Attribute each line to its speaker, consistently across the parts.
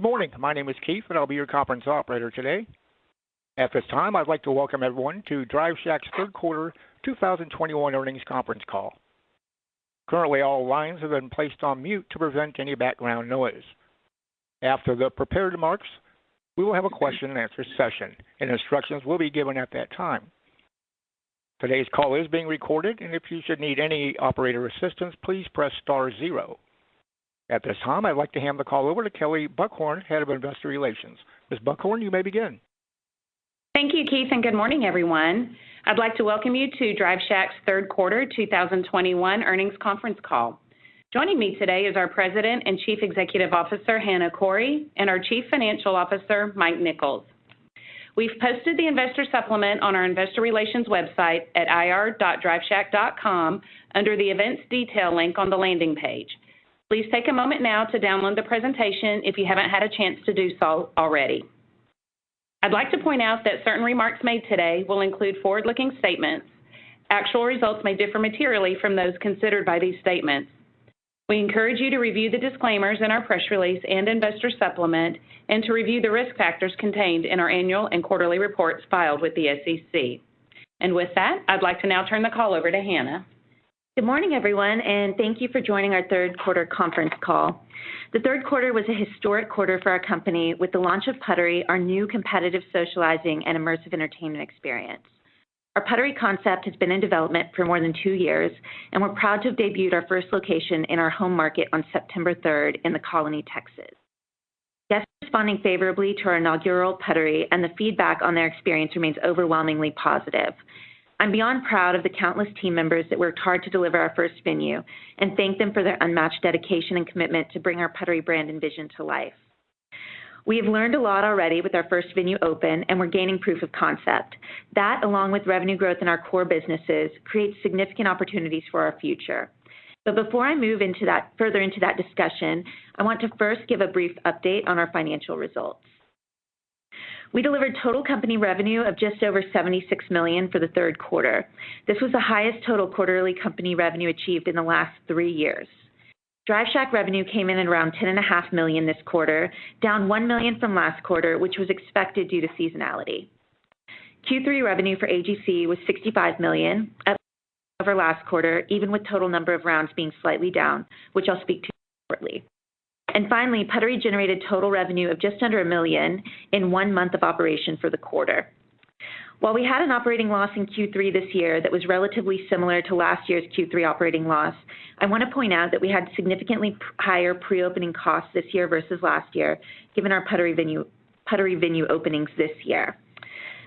Speaker 1: Good morning. My name is Keith, and I'll be your conference operator today. At this time, I'd like to welcome everyone to Drive Shack's Q3 2021 earnings conference call. Currently, all lines have been placed on mute to prevent any background noise. After the prepared remarks, we will have a question and answer session, and instructions will be given at that time. Today's call is being recorded, and if you should need any operator assistance, please press star zero. At this time, I'd like to hand the call over to Kelley Buchhorn, Head of Investor Relations. Ms. Buchhorn, you may begin.
Speaker 2: Thank you, Keith, and good morning, everyone. I'd like to welcome you to Drive Shack's Q3 2021 earnings conference call. Joining me today is our President and Chief Executive Officer, Hana Khouri, and our Chief Financial Officer, Mike Nichols. We've posted the investor supplement on our investor relations website at ir.driveshack.com under the Events Detail link on the landing page. Please take a moment now to download the presentation if you haven't had a chance to do so already. I'd like to point out that certain remarks made today will include forward-looking statements. Actual results may differ materially from those considered by these statements. We encourage you to review the disclaimers in our press release and investor supplement and to review the risk factors contained in our annual and quarterly reports filed with the SEC. With that, I'd like to now turn the call over to Hana.
Speaker 3: Good morning, everyone, and thank you for joining our Q3 conference call. The Q3 was a historic quarter for our company with the launch of Puttery, our new competitive socializing and immersive entertainment experience. Our Puttery concept has been in development for more than two years, and we're proud to have debuted our first location in our home market on September third in The Colony, Texas. Guests are responding favorably to our inaugural Puttery, and the feedback on their experience remains overwhelmingly positive. I'm beyond proud of the countless team members that worked hard to deliver our first venue, and thank them for their unmatched dedication and commitment to bring our Puttery brand and vision to life. We have learned a lot already with our first venue open, and we're gaining proof of concept. That, along with revenue growth in our core businesses, creates significant opportunities for our future. Before I move into that, further into that discussion, I want to first give a brief update on our financial results. We delivered total company revenue of just over $76 million for the Q3. This was the highest total quarterly company revenue achieved in the last three years. Drive Shack revenue came in at around $10.5 million this quarter, down $1 million from last quarter, which was expected due to seasonality. Q3 revenue for AGC was $65 million, up over last quarter, even with total number of rounds being slightly down, which I'll speak to shortly. Finally, Puttery generated total revenue of just under $1 million in one month of operation for the quarter. While we had an operating loss in Q3 this year that was relatively similar to last year's Q3 operating loss, I want to point out that we had significantly higher pre-opening costs this year versus last year, given our Puttery venue openings this year.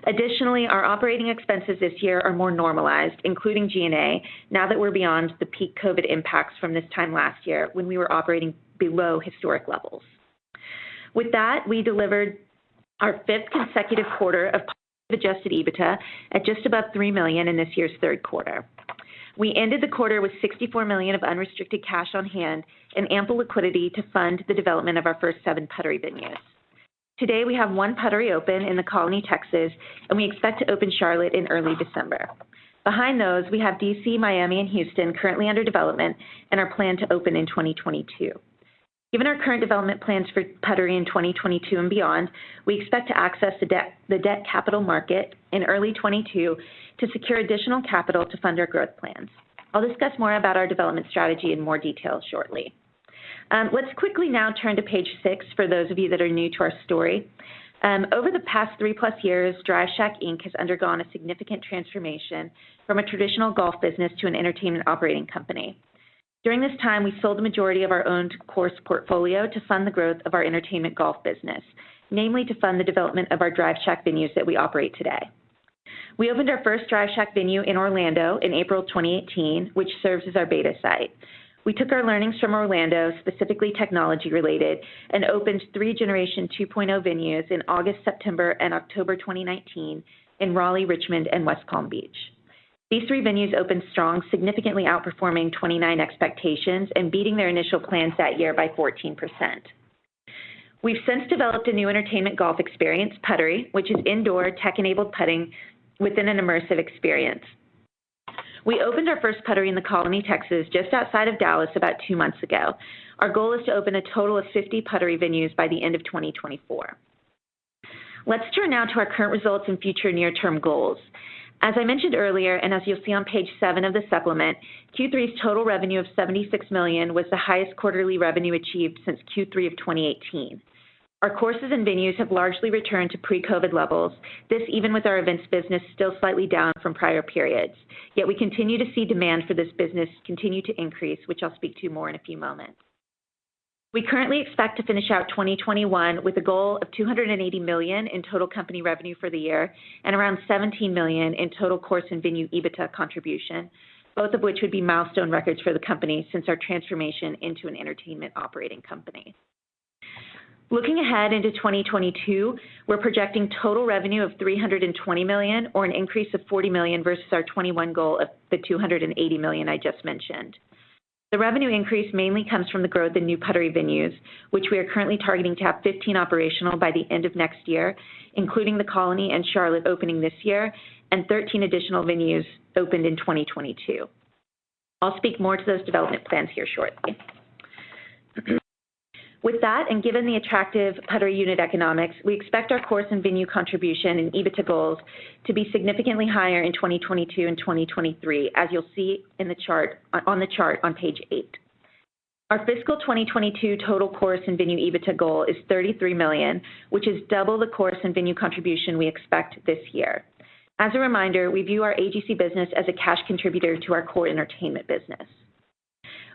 Speaker 3: Additionally, our operating expenses this year are more normalized, including G&A, now that we're beyond the peak COVID impacts from this time last year when we were operating below historic levels. With that, we delivered our fifth consecutive quarter of adjusted EBITDA at just about $3 million in this year's Q3. We ended the quarter with $64 million of unrestricted cash on hand and ample liquidity to fund the development of our first seven Puttery venues. Today, we have one Puttery open in The Colony, Texas, and we expect to open Charlotte in early December. Behind those, we have D.C., Miami, and Houston currently under development and are planned to open in 2022. Given our current development plans for Puttery in 2022 and beyond, we expect to access the debt capital market in early 2022 to secure additional capital to fund our growth plans. I'll discuss more about our development strategy in more detail shortly. Let's quickly now turn to page 6 for those of you that are new to our story. Over the past 3-plus years, Drive Shack Inc. has undergone a significant transformation from a traditional golf business to an entertainment operating company. During this time, we sold the majority of our owned course portfolio to fund the growth of our entertainment golf business, namely to fund the development of our Drive Shack venues that we operate today. We opened our first Drive Shack venue in Orlando in April 2018, which serves as our beta site. We took our learnings from Orlando, specifically technology-related, and opened three generation 2.0 venues in August, September, and October 2019 in Raleigh, Richmond, and West Palm Beach. These three venues opened strong, significantly outperforming 2019 expectations and beating their initial plans that year by 14%. We've since developed a new entertainment golf experience, Puttery, which is indoor tech-enabled putting within an immersive experience. We opened our first Puttery in The Colony, Texas, just outside of Dallas, about two months ago. Our goal is to open a total of 50 Puttery venues by the end of 2024. Let's turn now to our current results and future near-term goals. As I mentioned earlier, as you'll see on page seven of the supplement, Q3's total revenue of $76 million was the highest quarterly revenue achieved since Q3 of 2018. Our courses and venues have largely returned to pre-COVID levels. This even with our events business still slightly down from prior periods. Yet we continue to see demand for this business continue to increase, which I'll speak to more in a few moments. We currently expect to finish out 2021 with a goal of $280 million in total company revenue for the year and around $17 million in total course and venue EBITDA contribution, both of which would be milestone records for the company since our transformation into an entertainment operating company. Looking ahead into 2022, we're projecting total revenue of $320 million or an increase of $40 million versus our 2021 goal of the $280 million I just mentioned. The revenue increase mainly comes from the growth in new Puttery venues, which we are currently targeting to have 15 operational by the end of next year, including The Colony and Charlotte opening this year and 13 additional venues opened in 2022. I'll speak more to those development plans here shortly. With that, and given the attractive Puttery unit economics, we expect our course and venue contribution and EBITDA goals to be significantly higher in 2022 and 2023, as you'll see in the chart on page eight. Our fiscal 2022 total course and venue EBITDA goal is $33 million, which is double the course and venue contribution we expect this year. As a reminder, we view our AGC business as a cash contributor to our core entertainment business.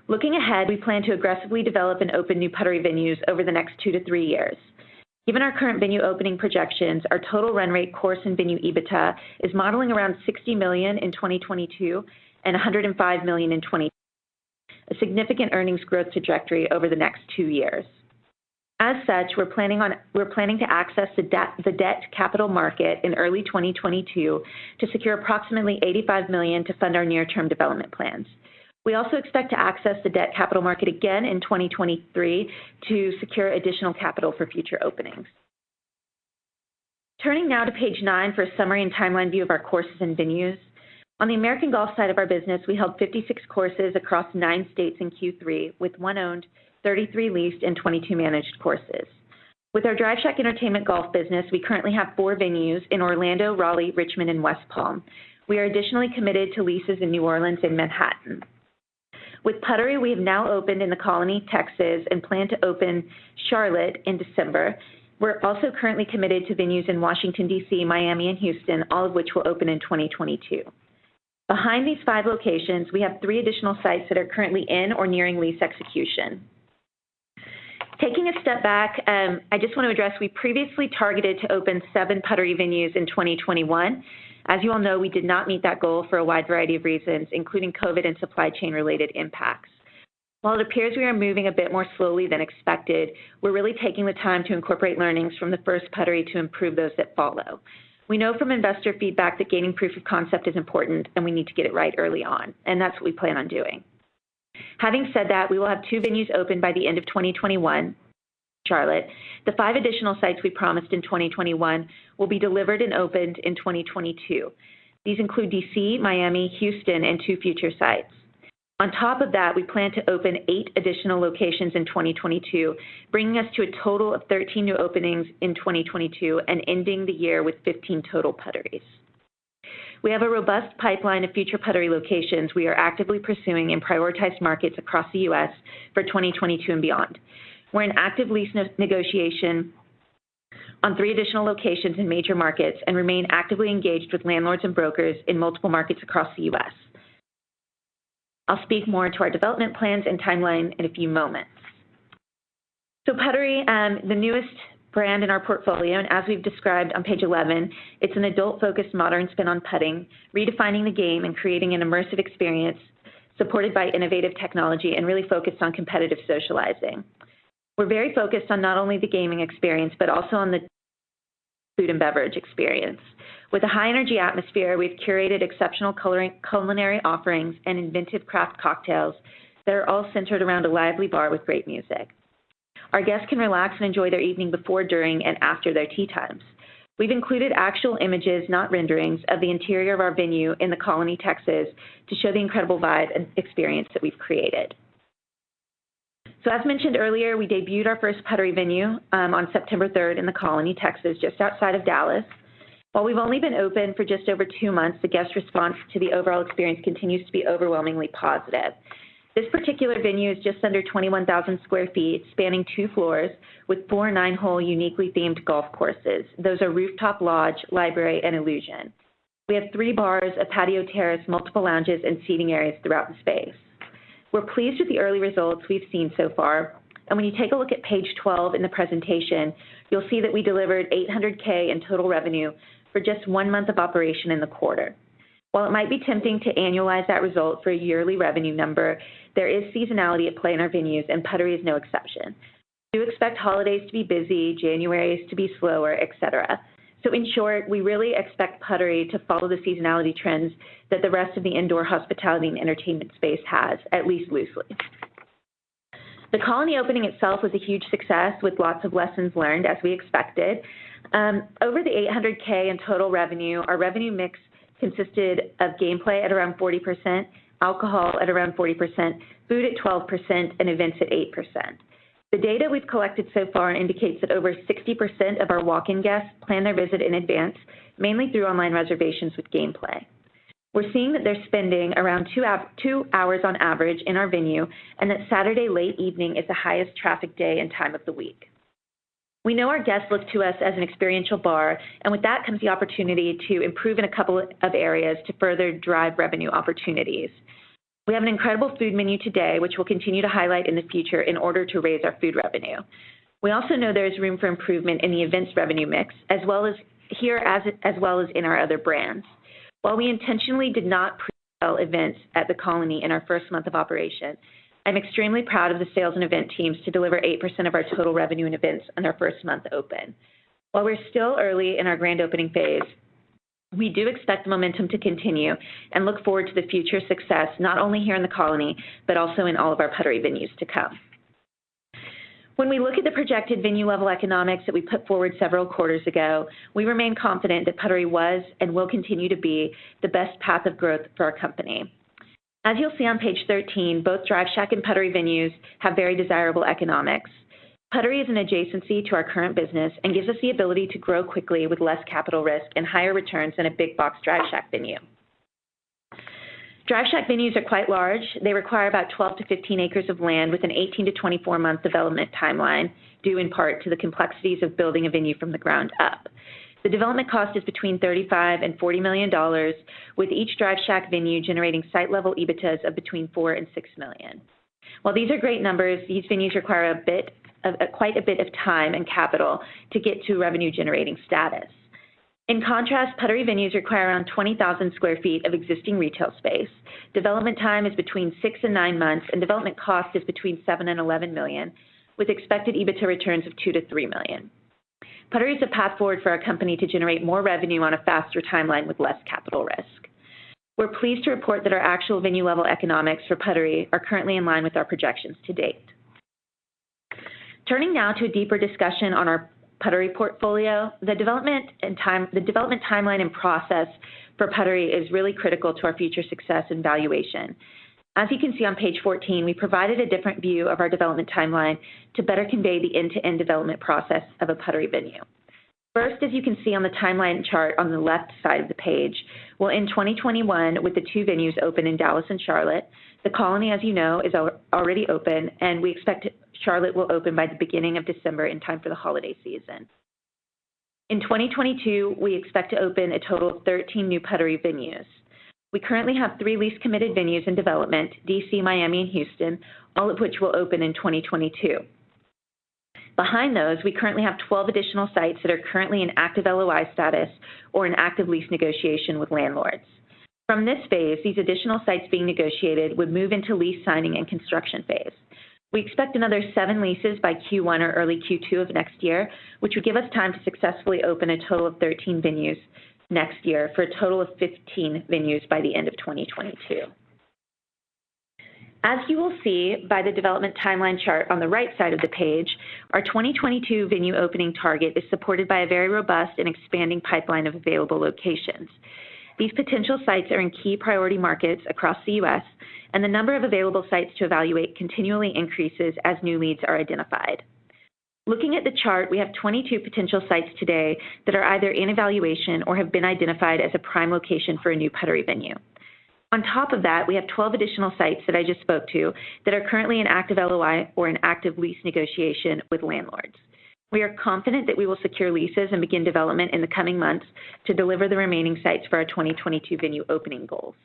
Speaker 3: Looking ahead, we plan to aggressively develop and open new Puttery venues over the next 2-3 years. Given our current venue opening projections, our total run rate course and venue EBITDA is modeling around $60 million in 2022 and $105 million in 2023, a significant earnings growth trajectory over the next two years. As such, we're planning to access the debt capital market in early 2022 to secure approximately $85 million to fund our near-term development plans. We also expect to access the debt capital market again in 2023 to secure additional capital for future openings. Turning now to page nine for a summary and timeline view of our courses and venues. On the American Golf side of our business, we held 56 courses across nine states in Q3, with one owned, 33 leased, and 22 managed courses. With our Drive Shack Entertainment Golf business, we currently have four venues in Orlando, Raleigh, Richmond, and West Palm. We are additionally committed to leases in New Orleans and Manhattan. With Puttery, we've now opened in The Colony, Texas, and plan to open Charlotte in December. We're also currently committed to venues in Washington, D.C., Miami, and Houston, all of which will open in 2022. Behind these five locations, we have three additional sites that are currently in or nearing lease execution. Taking a step back, I just want to address, we previously targeted to open seven Puttery venues in 2021. As you all know, we did not meet that goal for a wide variety of reasons, including COVID and supply chain-related impacts. While it appears we are moving a bit more slowly than expected, we're really taking the time to incorporate learnings from the first Puttery to improve those that follow. We know from investor feedback that gaining proof of concept is important, and we need to get it right early on, and that's what we plan on doing. Having said that, we will have two venues open by the end of 2021, Charlotte. The five additional sites we promised in 2021 will be delivered and opened in 2022. These include D.C., Miami, Houston, and two future sites. On top of that, we plan to open eight additional locations in 2022, bringing us to a total of 13 new openings in 2022 and ending the year with 15 total Putteries. We have a robust pipeline of future Puttery locations we are actively pursuing in prioritized markets across the U.S. for 2022 and beyond. We're in active lease negotiation on three additional locations in major markets and remain actively engaged with landlords and brokers in multiple markets across the U.S. I'll speak more to our development plans and timeline in a few moments. Puttery, the newest brand in our portfolio, and as we've described on page 11, it's an adult-focused, modern spin on putting, redefining the game, and creating an immersive experience supported by innovative technology and really focused on competitive socializing. We're very focused on not only the gaming experience, but also on the food and beverage experience. With a high-energy atmosphere, we've curated exceptional culinary offerings and inventive craft cocktails that are all centered around a lively bar with great music. Our guests can relax and enjoy their evening before, during, and after their tee times. We've included actual images, not renderings, of the interior of our venue in The Colony, Texas, to show the incredible vibe and experience that we've created. As mentioned earlier, we debuted our first Puttery venue on September third in The Colony, Texas, just outside of Dallas. While we've only been open for just over two months, the guest response to the overall experience continues to be overwhelmingly positive. This particular venue is just under 21,000 sq ft, spanning two floors with four 9-hole uniquely themed golf courses. Those are Rooftop, Lodge, Library, and Illusion. We have 3 bars, a patio terrace, multiple lounges, and seating areas throughout the space. We're pleased with the early results we've seen so far, and when you take a look at page 12 in the presentation, you'll see that we delivered $800K in total revenue for just 1 month of operation in the quarter. While it might be tempting to annualize that result for a yearly revenue number, there is seasonality at play in our venues, and Puttery is no exception. We do expect holidays to be busy, Januarys to be slower, et cetera. In short, we really expect Puttery to follow the seasonality trends that the rest of the indoor hospitality and entertainment space has, at least loosely. The Colony opening itself was a huge success with lots of lessons learned, as we expected. Over the $800K in total revenue, our revenue mix consisted of gameplay at around 40%, alcohol at around 40%, food at 12%, and events at 8%. The data we've collected so far indicates that over 60% of our walk-in guests plan their visit in advance, mainly through online reservations with gameplay. We're seeing that they're spending around two hours on average in our venue, and that Saturday late evening is the highest traffic day and time of the week. We know our guests look to us as an experiential bar, and with that comes the opportunity to improve in a couple of areas to further drive revenue opportunities. We have an incredible food menu today, which we'll continue to highlight in the future in order to raise our food revenue. We also know there is room for improvement in the events revenue mix, as well as in our other brands. While we intentionally did not presale events at The Colony in our first month of operation, I'm extremely proud of the sales and event teams to deliver 8% of our total revenue in events in our first month open. While we're still early in our grand opening phase, we do expect the momentum to continue and look forward to the future success, not only here in The Colony, but also in all of our Puttery venues to come. When we look at the projected venue-level economics that we put forward several quarters ago, we remain confident that Puttery was and will continue to be the best path of growth for our company. As you'll see on page 13, both Drive Shack and Puttery venues have very desirable economics. Puttery is an adjacency to our current business and gives us the ability to grow quickly with less capital risk and higher returns than a big box Drive Shack venue. Drive Shack venues are quite large. They require about 12-15 acres of land with an 18-24 month development timeline, due in part to the complexities of building a venue from the ground up. The development cost is between $35 million and $40 million, with each Drive Shack venue generating site-level EBITDA of between $4 million and $6 million. While these are great numbers, these venues require a bit of quite a bit of time and capital to get to revenue-generating status. In contrast, Puttery venues require around 20,000 sq ft of existing retail space. Development time is between 6 and 9 months, and development cost is between $7 million and $11 million, with expected EBITDA returns of $2 million-$3 million. Puttery is a path forward for our company to generate more revenue on a faster timeline with less capital risk. We're pleased to report that our actual venue-level economics for Puttery are currently in line with our projections to date. Turning now to a deeper discussion on our Puttery portfolio, the development timeline and process for Puttery is really critical to our future success and valuation. As you can see on page 14, we provided a different view of our development timeline to better convey the end-to-end development process of a Puttery venue. First, as you can see on the timeline chart on the left side of the page, we're in 2021 with the two venues open in Dallas and Charlotte. The Colony, as you know, is already open, and we expect Charlotte will open by the beginning of December in time for the holiday season. In 2022, we expect to open a total of 13 new Puttery venues. We currently have three lease-committed venues in development, D.C., Miami, and Houston, all of which will open in 2022. Behind those, we currently have 12 additional sites that are currently in active LOI status or in active lease negotiation with landlords. From this phase, these additional sites being negotiated would move into lease signing and construction phase. We expect another seven leases by Q1 or early Q2 of next year, which would give us time to successfully open a total of 13 venues next year for a total of 15 venues by the end of 2022. As you will see by the development timeline chart on the right side of the page, our 2022 venue opening target is supported by a very robust and expanding pipeline of available locations. These potential sites are in key priority markets across the U.S., and the number of available sites to evaluate continually increases as new leads are identified. Looking at the chart, we have 22 potential sites today that are either in evaluation or have been identified as a prime location for a new Puttery venue. On top of that, we have 12 additional sites that I just spoke to that are currently in active LOI or in active lease negotiation with landlords. We are confident that we will secure leases and begin development in the coming months to deliver the remaining sites for our 2022 venue opening goals.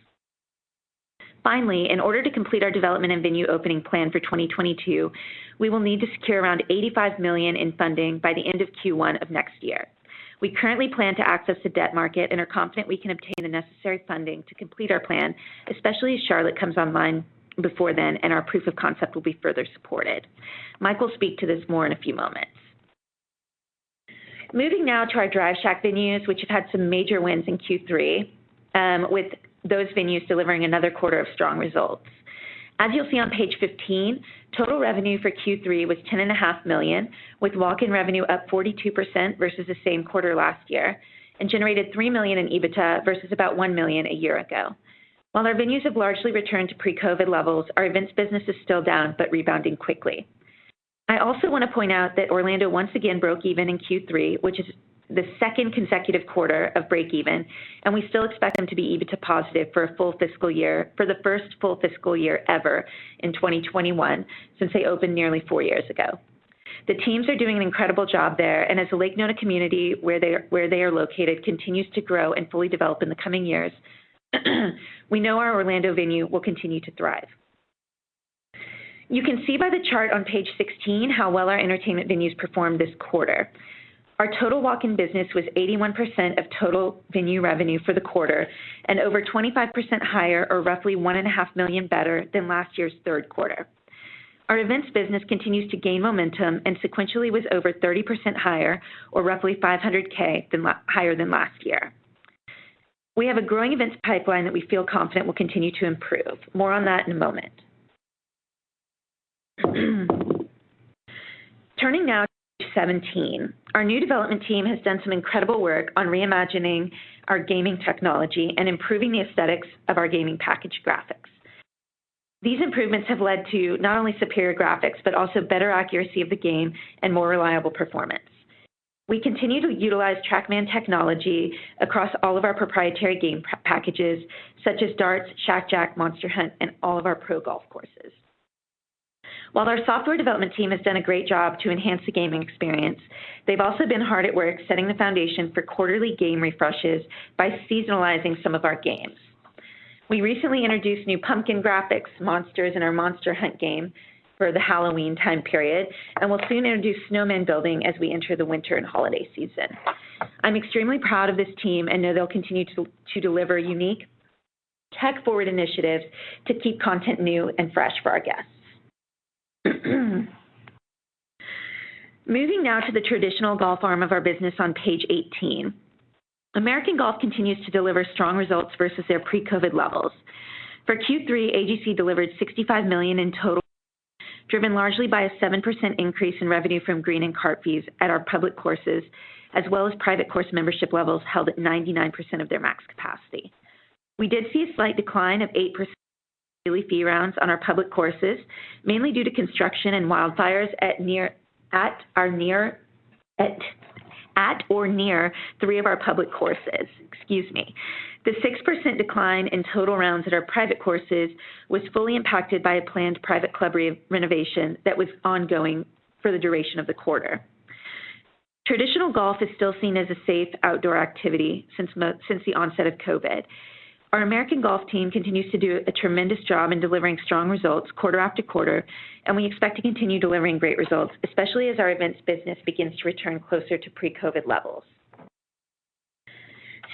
Speaker 3: Finally, in order to complete our development and venue opening plan for 2022, we will need to secure around $85 million in funding by the end of Q1 of next year. We currently plan to access the debt market and are confident we can obtain the necessary funding to complete our plan, especially as Charlotte comes online before then and our proof of concept will be further supported. Mike will speak to this more in a few moments. Moving now to our Drive Shack venues, which have had some major wins in Q3, with those venues delivering another quarter of strong results. As you'll see on page 15, total revenue for Q3 was $10.5 million, with walk-in revenue up 42% versus the same quarter last year, and generated $3 million in EBITDA versus about $1 million a year ago. While our venues have largely returned to pre-COVID levels, our events business is still down but rebounding quickly. I also wanna point out that Orlando once again broke even in Q3, which is the second consecutive quarter of break even, and we still expect them to be EBITDA positive for a full fiscal year, for the first full fiscal year ever in 2021 since they opened nearly 4 years ago. The teams are doing an incredible job there, and as the Lake Nona community, where they are located, continues to grow and fully develop in the coming years, we know our Orlando venue will continue to thrive. You can see by the chart on page 16 how well our entertainment venues performed this quarter. Our total walk-in business was 81% of total venue revenue for the quarter and over 25% higher or roughly $1.5 million better than last year's Q3. Our events business continues to gain momentum and sequentially was over 30% higher or roughly $500K higher than last year. We have a growing events pipeline that we feel confident will continue to improve. More on that in a moment. Turning now to 17. Our new development team has done some incredible work on reimagining our gaming technology and improving the aesthetics of our gaming package graphics. These improvements have led to not only superior graphics, but also better accuracy of the game and more reliable performance. We continue to utilize TrackMan technology across all of our proprietary game packages, such as Darts, Shack Jack, Monster Hunt, and all of our pro golf courses. While our software development team has done a great job to enhance the gaming experience, they've also been hard at work setting the foundation for quarterly game refreshes by seasonalizing some of our games. We recently introduced new pumpkin graphics monsters in our Monster Hunt game for the Halloween time period, and we'll soon introduce snowman building as we enter the winter and holiday season. I'm extremely proud of this team and know they'll continue to deliver unique tech-forward initiatives to keep content new and fresh for our guests. Moving now to the traditional golf arm of our business on page 18. American Golf continues to deliver strong results versus their pre-COVID levels. For Q3, AGC delivered $65 million in total, driven largely by a 7% increase in revenue from green and cart fees at our public courses, as well as private course membership levels held at 99% of their max capacity. We did see a slight decline of 8% daily fee rounds on our public courses, mainly due to construction and wildfires at or near three of our public courses. Excuse me. The 6% decline in total rounds at our private courses was fully impacted by a planned private club re-renovation that was ongoing for the duration of the quarter. Traditional golf is still seen as a safe outdoor activity since the onset of COVID. Our American Golf team continues to do a tremendous job in delivering strong results quarter after quarter, and we expect to continue delivering great results, especially as our events business begins to return closer to pre-COVID levels.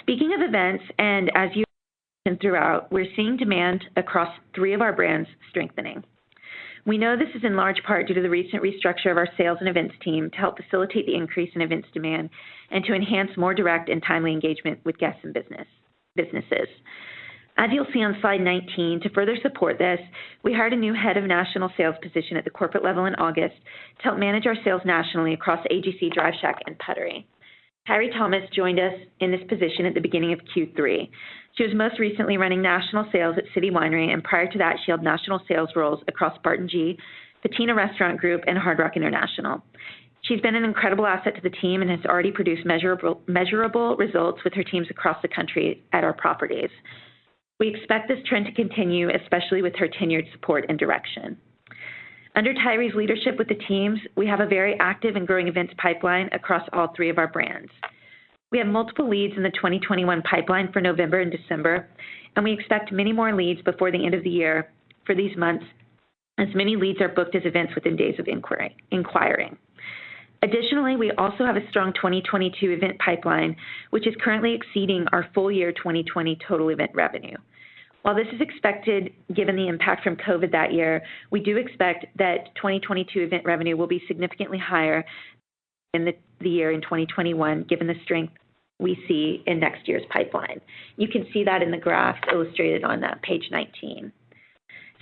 Speaker 3: Speaking of events, and as you know, throughout, we're seeing demand across three of our brands strengthening. We know this is in large part due to the recent restructure of our sales and events team to help facilitate the increase in events demand and to enhance more direct and timely engagement with guests and businesses. As you'll see on slide 19, to further support this, we hired a new head of national sales position at the corporate level in August to help manage our sales nationally across AGC, Drive Shack, and Puttery. Tyree Thomas joined us in this position at the beginning of Q3. She was most recently running national sales at City Winery, and prior to that, she held national sales roles across Barton G., Patina Restaurant Group, and Hard Rock International. She's been an incredible asset to the team and has already produced measurable results with her teams across the country at our properties. We expect this trend to continue, especially with her tenured support and direction. Under Tyree's leadership with the teams, we have a very active and growing events pipeline across all three of our brands. We have multiple leads in the 2021 pipeline for November and December, and we expect many more leads before the end of the year for these months as many leads are booked as events within days of inquiry. Additionally, we also have a strong 2022 event pipeline, which is currently exceeding our full year 2020 total event revenue. While this is expected, given the impact from COVID that year, we do expect that 2022 event revenue will be significantly higher in 2021, given the strength we see in next year's pipeline. You can see that in the graph illustrated on page 19.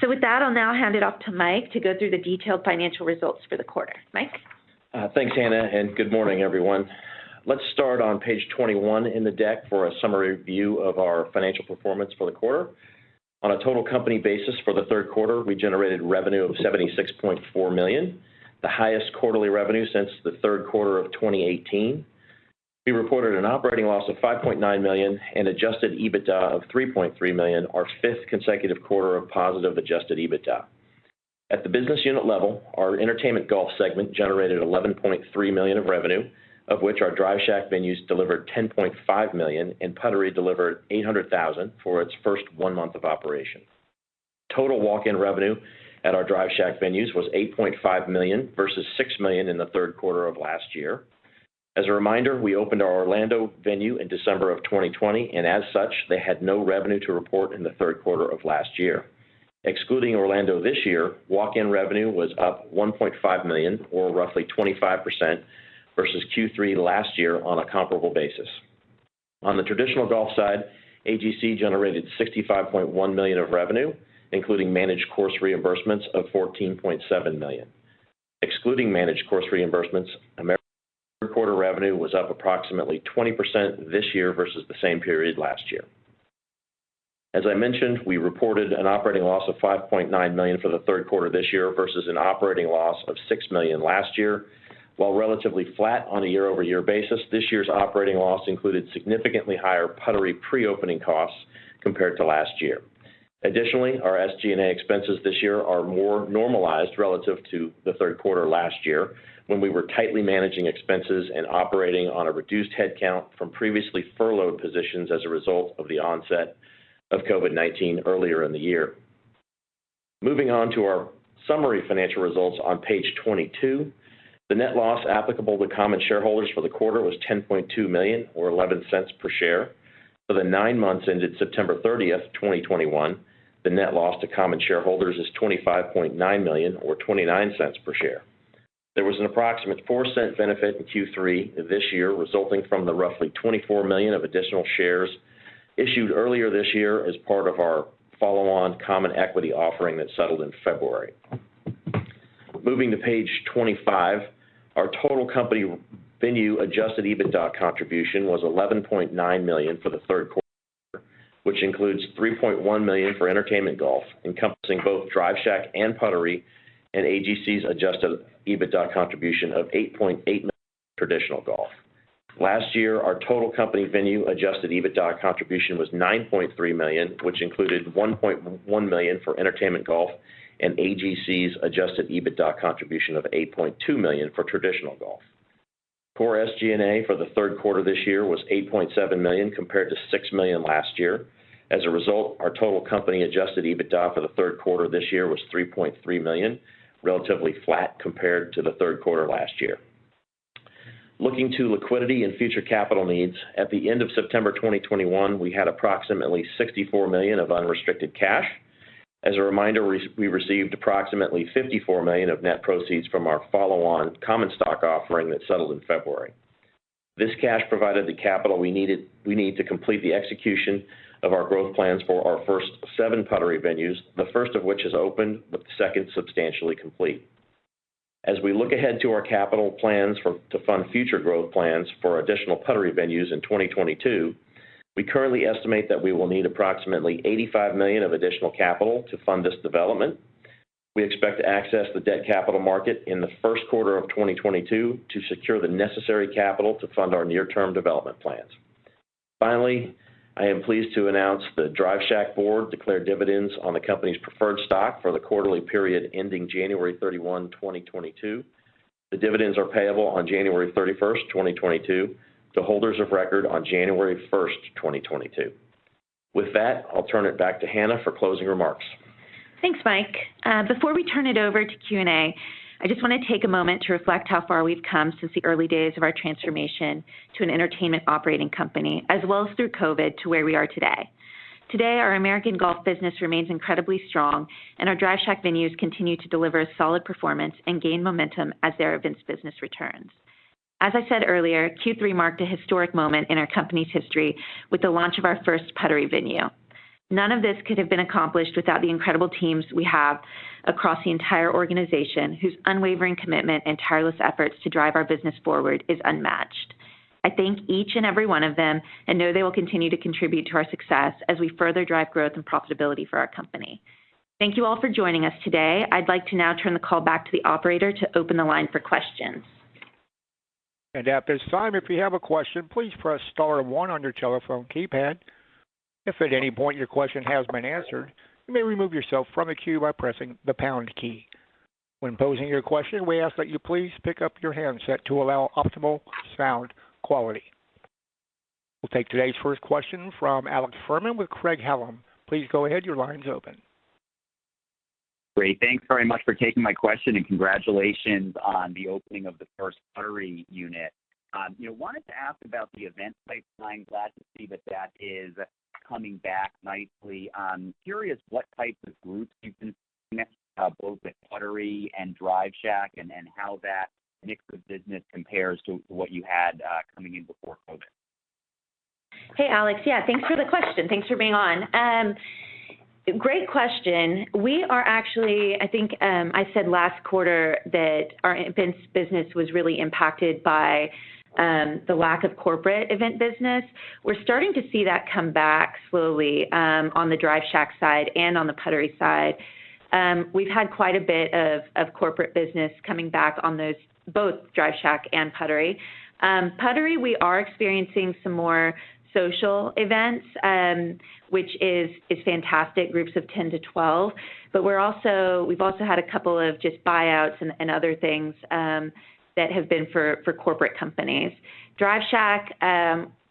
Speaker 3: With that, I'll now hand it off to Mike to go through the detailed financial results for the quarter. Mike.
Speaker 4: Thanks, Hana, and good morning, everyone. Let's start on page 21 in the deck for a summary view of our financial performance for the quarter. On a total company basis for the Q3, we generated revenue of $76.4 million, the highest quarterly revenue since the Q3 of 2018. We reported an operating loss of $5.9 million and adjusted EBITDA of $3.3 million, our fifth consecutive quarter of positive adjusted EBITDA. At the business unit level, our entertainment golf segment generated $11.3 million of revenue, of which our Drive Shack venues delivered $10.5 million and Puttery delivered $800,000 for its first one month of operation. Total walk-in revenue at our Drive Shack venues was $8.5 million versus $6 million in the Q3 of last year. As a reminder, we opened our Orlando venue in December of 2020, and as such, they had no revenue to report in the Q3 of last year. Excluding Orlando this year, walk-in revenue was up $1.5 million or roughly 25% versus Q3 last year on a comparable basis. On the traditional golf side, AGC generated $65.1 million of revenue, including managed course reimbursements of $14.7 million. Excluding managed course reimbursements, American Q3 revenue was up approximately 20% this year versus the same period last year. As I mentioned, we reported an operating loss of $5.9 million for the Q3 this year versus an operating loss of $6 million last year. While relatively flat on a year-over-year basis, this year's operating loss included significantly higher Puttery pre-opening costs compared to last year. Additionally, our SG&A expenses this year are more normalized relative to the Q3 last year when we were tightly managing expenses and operating on a reduced headcount from previously furloughed positions as a result of the onset of COVID-19 earlier in the year. Moving on to our summary financial results on page 22. The net loss applicable to common shareholders for the quarter was $10.2 million or $0.11 per share. For the nine months ended September 30, 2021, the net loss to common shareholders is $25.9 million or $0.29 per share. There was an approximate $0.04 benefit in Q3 this year, resulting from the roughly 24 million of additional shares issued earlier this year as part of our follow-on common equity offering that settled in February. Moving to page 25. Our total company venue adjusted EBITDA contribution was $11.9 million for the Q3, which includes $3.1 million for entertainment golf, encompassing both Drive Shack and Puttery, and AGC's adjusted EBITDA contribution of $8.8 million for traditional golf. Last year, our total company venue adjusted EBITDA contribution was $9.3 million, which included $1.1 million for entertainment golf and AGC's adjusted EBITDA contribution of $8.2 million for traditional golf. Core SG&A for the Q3 this year was $8.7 million, compared to $6 million last year. As a result, our total company adjusted EBITDA for the Q3 this year was $3.3 million, relatively flat compared to the Q3 last year. Looking to liquidity and future capital needs, at the end of September 2021, we had approximately $64 million of unrestricted cash. As a reminder, we received approximately $54 million of net proceeds from our follow-on common stock offering that settled in February. This cash provided the capital we need to complete the execution of our growth plans for our first seven Puttery venues, the first of which is open, with the second substantially complete. As we look ahead to our capital plans to fund future growth plans for additional Puttery venues in 2022, we currently estimate that we will need approximately $85 million of additional capital to fund this development. We expect to access the debt capital market in the first quarter of 2022 to secure the necessary capital to fund our near-term development plans. Finally, I am pleased to announce the Drive Shack board declared dividends on the company's preferred stock for the quarterly period ending January 31, 2022. The dividends are payable on January 31, 2022 to holders of record on January 1, 2022. With that, I'll turn it back to Hana for closing remarks.
Speaker 3: Thanks, Mike. Before we turn it over to Q&A, I just wanna take a moment to reflect how far we've come since the early days of our transformation to an entertainment operating company, as well as through COVID to where we are today. Today, our American Golf business remains incredibly strong, and our Drive Shack venues continue to deliver solid performance and gain momentum as their events business returns. As I said earlier, Q3 marked a historic moment in our company's history with the launch of our first Puttery venue. None of this could have been accomplished without the incredible teams we have across the entire organization, whose unwavering commitment and tireless efforts to drive our business forward is unmatched. I thank each and every one of them, and I know they will continue to contribute to our success as we further drive growth and profitability for our company. Thank you all for joining us today. I'd like to now turn the call back to the operator to open the line for questions.
Speaker 1: At this time, if you have a question, please press star one on your telephone keypad. If at any point your question has been answered, you may remove yourself from the queue by pressing the pound key. When posing your question, we ask that you please pick up your handset to allow optimal sound quality. We'll take today's first question from Alex Fuhrman with Craig-Hallum. Please go ahead, your line's open.
Speaker 5: Great. Thanks very much for taking my question, and congratulations on the opening of the first Puttery unit. You know, wanted to ask about the event space. I'm glad to see that is coming back nicely. Curious what types of groups you've been seeing at both Puttery and Drive Shack, and how that mix of business compares to what you had coming in before COVID.
Speaker 3: Hey, Alex. Yeah, thanks for the question. Thanks for being on. Great question. We are actually, I think, I said last quarter that our events business was really impacted by the lack of corporate event business. We're starting to see that come back slowly on the Drive Shack side and on the Puttery side. We've had quite a bit of corporate business coming back on those, both Drive Shack and Puttery. Puttery, we are experiencing some more social events, which is fantastic, groups of 10 to 12. But we've also had a couple of just buyouts and other things that have been for corporate companies. Drive Shack,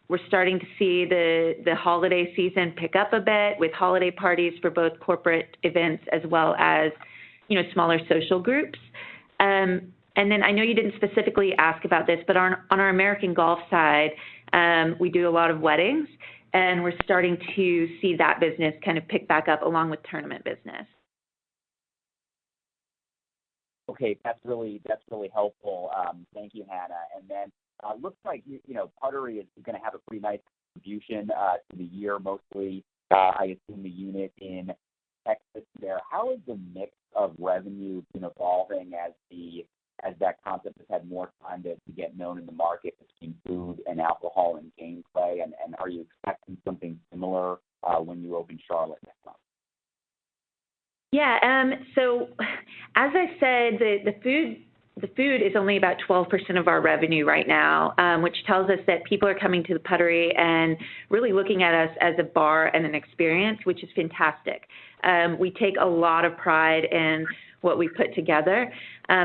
Speaker 3: we're starting to see the holiday season pick up a bit with holiday parties for both corporate events as well as, you know, smaller social groups. I know you didn't specifically ask about this, but on our American Golf side, we do a lot of weddings, and we're starting to see that business kind of pick back up along with tournament business.
Speaker 5: Okay. That's really helpful. Thank you, Hana. Looks like you know, Puttery is gonna have a pretty nice contribution to the year, mostly I assume the unit in Texas there. How has the mix of revenue been evolving as that concept has had more time to get known in the market between food and alcohol and gameplay, and are you expecting something similar when you open Charlotte next month?
Speaker 3: Yeah. As I said, the food is only about 12% of our revenue right now, which tells us that people are coming to the Puttery and really looking at us as a bar and an experience, which is fantastic. We take a lot of pride in what we've put together,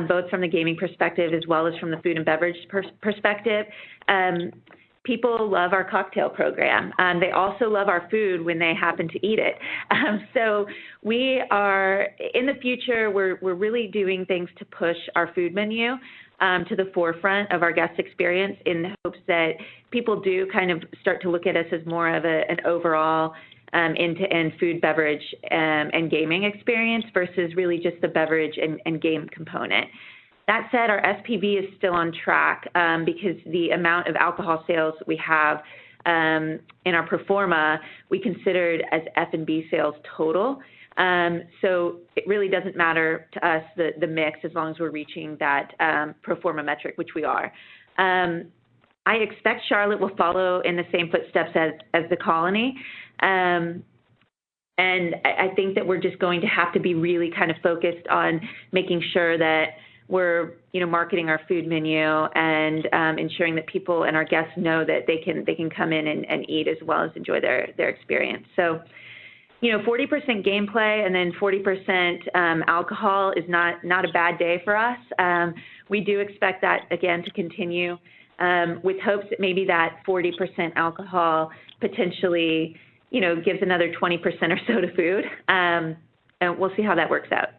Speaker 3: both from the gaming perspective as well as from the food and beverage perspective. People love our cocktail program. They also love our food when they happen to eat it. In the future, we're really doing things to push our food menu to the forefront of our guest experience in the hopes that people do kind of start to look at us as more of an overall end-to-end food, beverage, and gaming experience versus really just the beverage and game component. That said, our F&B is still on track because the amount of alcohol sales we have in our pro forma, we considered as F&B sales total. It really doesn't matter to us the mix as long as we're reaching that pro forma metric, which we are. I expect Charlotte will follow in the same footsteps as The Colony. I think that we're just going to have to be really kind of focused on making sure that we're you know marketing our food menu and ensuring that people and our guests know that they can come in and eat as well as enjoy their experience. You know, 40% gameplay and then 40% alcohol is not a bad day for us. We do expect that again to continue with hopes that maybe that 40% alcohol potentially you know gives another 20% or so to food. We'll see how that works out.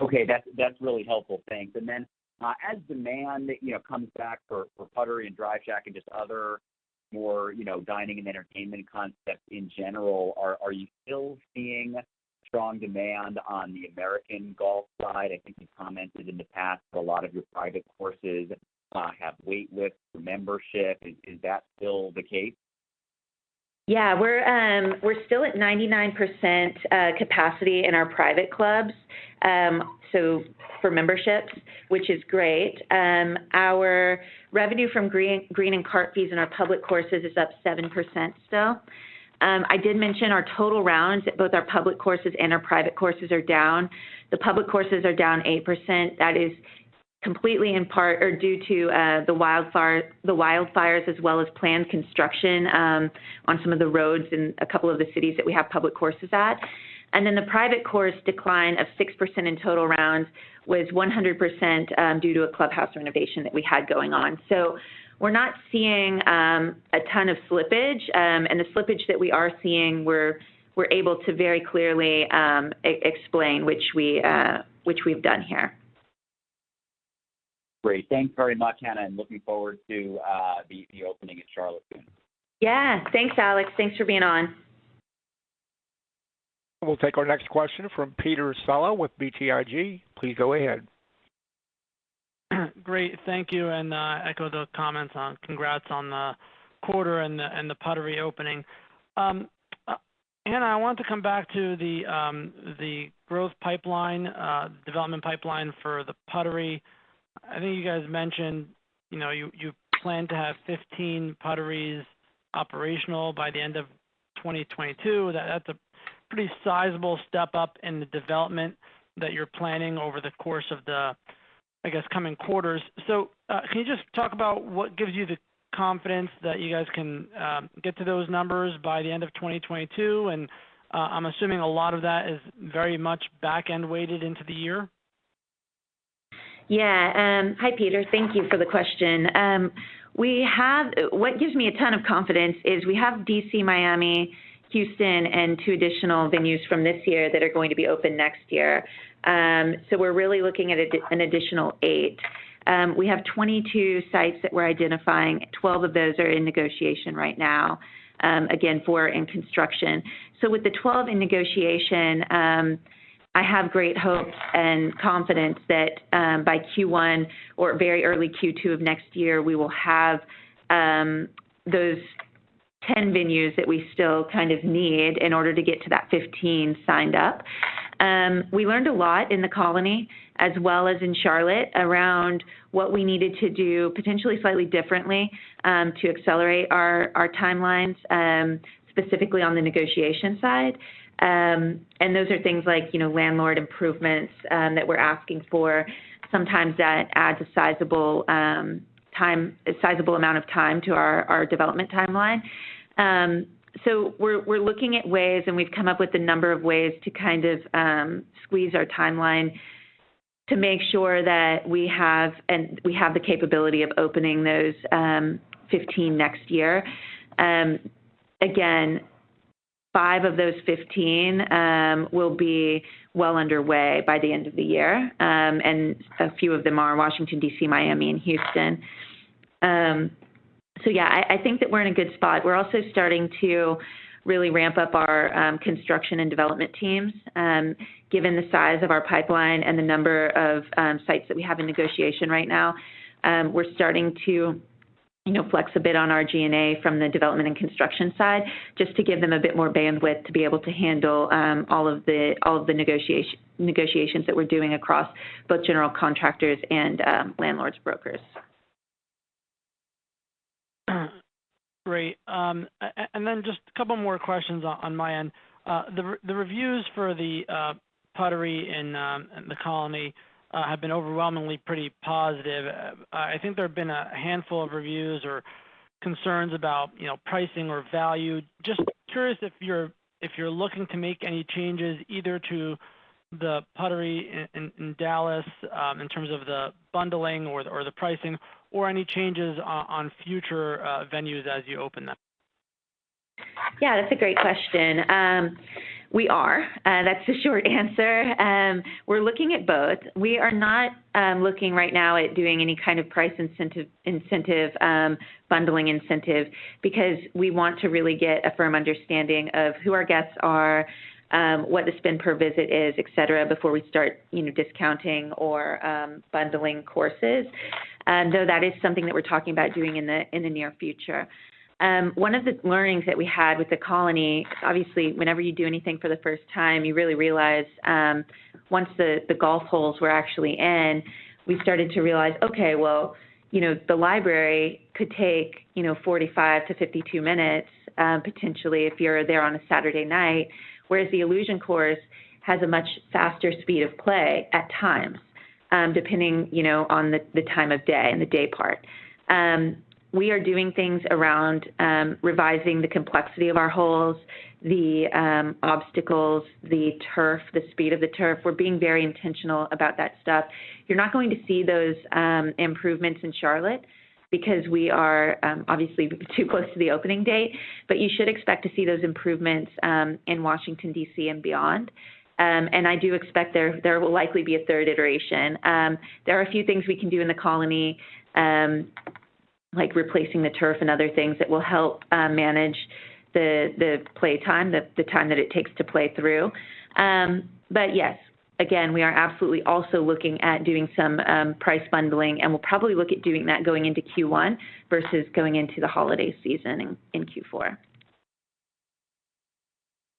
Speaker 5: Okay, that's really helpful. Thanks. Then as demand comes back for Puttery and Drive Shack and just other more dining and entertainment concepts in general, are you still seeing strong demand on the American Golf side? I think you commented in the past a lot of your private courses have waitlists for membership. Is that still the case?
Speaker 3: Yeah. We're still at 99% capacity in our private clubs, so for memberships, which is great. Our revenue from green and cart fees in our public courses is up 7% still. I did mention our total rounds at both our public courses and our private courses are down. The public courses are down 8%. That is completely in part or due to the wildfires as well as planned construction on some of the roads in a couple of the cities that we have public courses at. The private course decline of 6% in total rounds was 100% due to a clubhouse renovation that we had going on. We're not seeing a ton of slippage, and the slippage that we are seeing, we're able to very clearly explain which we've done here.
Speaker 5: Great. Thanks very much, Hana, and looking forward to the opening at Charlotte soon.
Speaker 3: Yeah. Thanks, Alex. Thanks for being on.
Speaker 1: We'll take our next question from Peter Saleh with BTIG. Please go ahead.
Speaker 6: Great. Thank you, and echo those comments on congrats on the quarter and the Puttery opening. Hana, I want to come back to the growth pipeline, development pipeline for the Puttery. I think you guys mentioned you plan to have 15 Putteries operational by the end of 2022. That's a pretty sizable step up in the development that you're planning over the course of the, I guess, coming quarters. Can you just talk about what gives you the confidence that you guys can get to those numbers by the end of 2022? I'm assuming a lot of that is very much back-end weighted into the year.
Speaker 3: Yeah. Hi, Peter. Thank you for the question. What gives me a ton of confidence is we have D.C., Miami, Houston, and two additional venues from this year that are going to be open next year. We're really looking at an additional eight. We have 22 sites that we're identifying. 12 of those are in negotiation right now, again, four in construction. With the 12 in negotiation, I have great hopes and confidence that, by Q1 or very early Q2 of next year, we will have those 10 venues that we still kind of need in order to get to that 15 signed up. We learned a lot in The Colony as well as in Charlotte around what we needed to do potentially slightly differently to accelerate our timelines, specifically on the negotiation side. Those are things like, you know, landlord improvements that we're asking for. Sometimes that adds a sizable amount of time to our development timeline. We're looking at ways, and we've come up with a number of ways to kind of squeeze our timeline to make sure that we have the capability of opening those 15 next year. Again, five of those 15 will be well underway by the end of the year. A few of them are Washington, D.C., Miami, and Houston. Yeah, I think that we're in a good spot. We're also starting to really ramp up our construction and development teams, given the size of our pipeline and the number of sites that we have in negotiation right now. We're starting to, you know, flex a bit on our G&A from the development and construction side just to give them a bit more bandwidth to be able to handle all of the negotiations that we're doing across both general contractors and landlords brokers.
Speaker 6: Great. Just a couple more questions on my end. The reviews for the Puttery in The Colony have been overwhelmingly pretty positive. I think there have been a handful of reviews or concerns about, you know, pricing or value. Just curious if you're looking to make any changes either to the Puttery in Dallas in terms of the bundling or the pricing or any changes on future venues as you open them.
Speaker 3: Yeah, that's a great question. That's the short answer. We're looking at both. We are not looking right now at doing any kind of price incentive, bundling incentive because we want to really get a firm understanding of who our guests are, what the spend per visit is, et cetera, before we start, you know, discounting or bundling courses. Though that is something that we're talking about doing in the near future. One of the learnings that we had with The Colony, obviously, whenever you do anything for the first time, you really realize, once the golf holes were actually in, we started to realize, okay, well, you know, the Library could take, you know, 45-52 minutes, potentially if you're there on a Saturday night, whereas the Illusion course has a much faster speed of play at times, depending, you know, on the time of day and the day part. We are doing things around revising the complexity of our holes, the obstacles, the turf, the speed of the turf. We're being very intentional about that stuff. You're not going to see those improvements in Charlotte because we are obviously too close to the opening date, but you should expect to see those improvements in Washington, D.C. and beyond. I do expect there will likely be a third iteration. There are a few things we can do in the Colony, like replacing the turf and other things that will help manage the play time, the time that it takes to play through. Yes. Again, we are absolutely also looking at doing some price bundling, and we'll probably look at doing that going into Q1 versus going into the holiday season in Q4.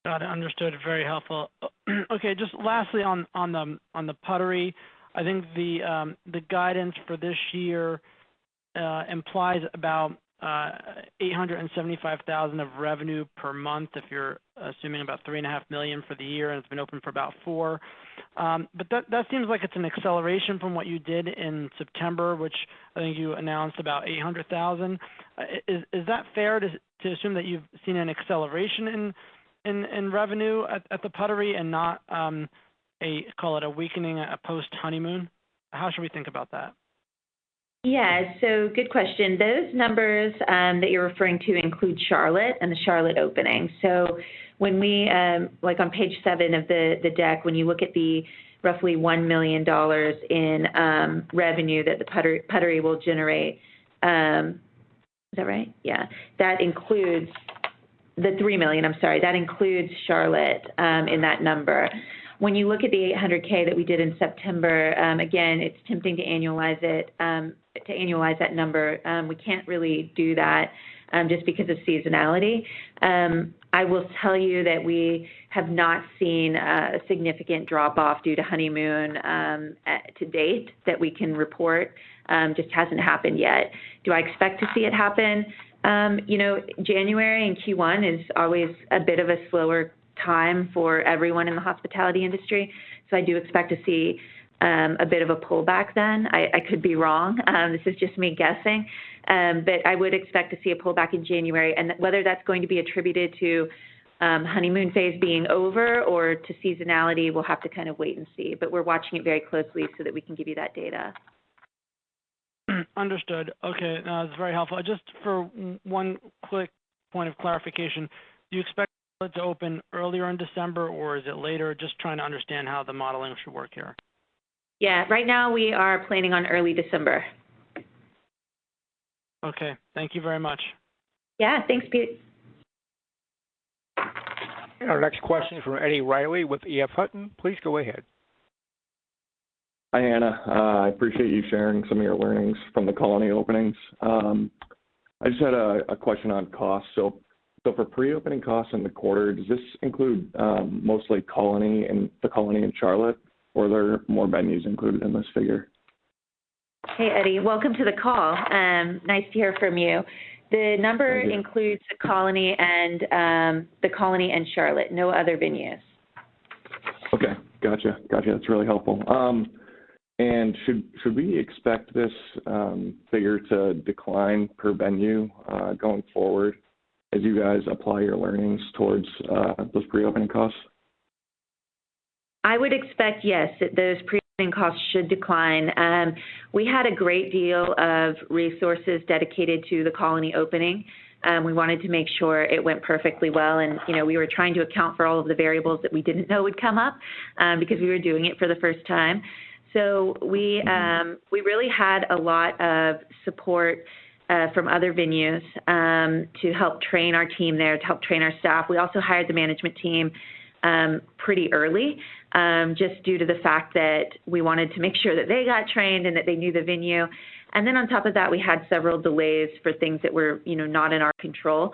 Speaker 6: Got it. Understood. Very helpful. Okay, just lastly on the Puttery. I think the guidance for this year implies about $875,000 of revenue per month if you're assuming about $3.5 million for the year, and it's been open for about four. But that seems like it's an acceleration from what you did in September, which I think you announced about $800,000. Is that fair to assume that you've seen an acceleration in revenue at the Puttery and not a call it a weakening, a post-honeymoon? How should we think about that?
Speaker 3: Yeah. Good question. Those numbers that you're referring to include Charlotte and the Charlotte opening. When we like on page seven of the deck, when you look at the roughly $1 million in revenue that the Puttery will generate. Is that right? Yeah. That includes the $3 million. I'm sorry. That includes Charlotte in that number. When you look at the $800K that we did in September, again, it's tempting to annualize it, to annualize that number. We can't really do that just because of seasonality. I will tell you that we have not seen a significant drop-off due to honeymoon to date that we can report. Just hasn't happened yet. Do I expect to see it happen? You know, January and Q1 is always a bit of a slower time for everyone in the hospitality industry, so I do expect to see a bit of a pullback then. I could be wrong, this is just me guessing. I would expect to see a pullback in January. Whether that's going to be attributed to honeymoon phase being over or to seasonality, we'll have to kind of wait and see. We're watching it very closely so that we can give you that data.
Speaker 6: Understood. Okay. No, this is very helpful. Just for one quick point of clarification, do you expect it to open earlier in December or is it later? Just trying to understand how the modeling should work here.
Speaker 3: Yeah. Right now, we are planning on early December.
Speaker 6: Okay. Thank you very much.
Speaker 3: Yeah. Thanks, Peter.
Speaker 1: Our next question from Edward Reilly with EF Hutton. Please go ahead.
Speaker 7: Hi, Hana. I appreciate you sharing some of your learnings from the Colony openings. I just had a question on cost. For pre-opening costs in the quarter, does this include mostly Colony and the Colony in Charlotte, or are there more venues included in this figure?
Speaker 3: Hey, Eddie. Welcome to the call. Nice to hear from you.
Speaker 7: Thank you.
Speaker 3: The number includes the Colony in Charlotte. No other venues.
Speaker 7: Okay. Gotcha. That's really helpful. Should we expect this figure to decline per venue going forward as you guys apply your learnings towards those pre-opening costs?
Speaker 3: I would expect, yes, that those pre-opening costs should decline. We had a great deal of resources dedicated to the Colony opening. We wanted to make sure it went perfectly well and, you know, we were trying to account for all of the variables that we didn't know would come up, because we were doing it for the first time. We really had a lot of support from other venues to help train our team there, to help train our staff. We also hired the management team pretty early, just due to the fact that we wanted to make sure that they got trained and that they knew the venue. On top of that, we had several delays for things that were, you know, not in our control.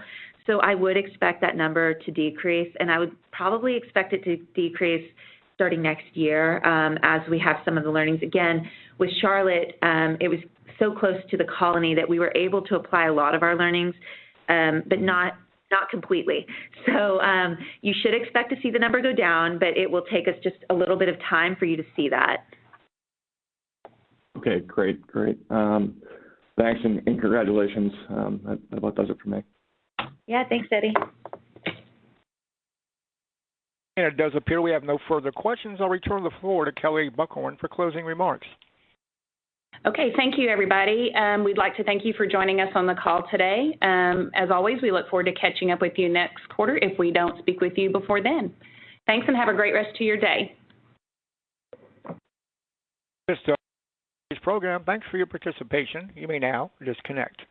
Speaker 3: I would expect that number to decrease, and I would probably expect it to decrease starting next year, as we have some of the learnings. Again, with Charlotte, it was so close to The Colony that we were able to apply a lot of our learnings, but not completely. You should expect to see the number go down, but it will take us just a little bit of time for you to see that.
Speaker 7: Okay, great. Thanks and congratulations. That about does it for me.
Speaker 3: Yeah. Thanks, Eddie.
Speaker 1: It does appear we have no further questions. I'll return the floor to Kelley Buchhorn for closing remarks.
Speaker 2: Okay. Thank you, everybody. We'd like to thank you for joining us on the call today. As always, we look forward to catching up with you next quarter if we don't speak with you before then. Thanks, and have a great rest of your day.
Speaker 1: This concludes our program. Thanks for your participation. You may now disconnect.